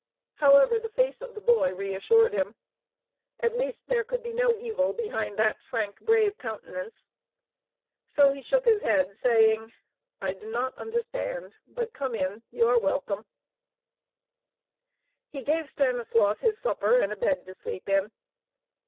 However, the face of the boy reassured him. At least there could be no evil behind that frank, brave countenance. So he shook his head, saying: "I do not understand. But come in. You are welcome." He gave Stanislaus his supper and a bed to sleep in.